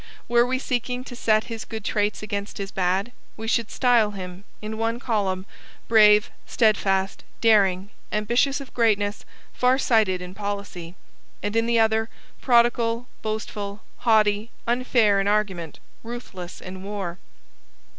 Were we seeking to set his good traits against his bad, we should style him, in one column, brave, steadfast, daring, ambitious of greatness, far sighted in policy; and in the other, prodigal, boastful, haughty, unfair in argument, ruthless in war.